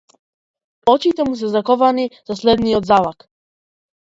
Очите му се заковани за следниот залак.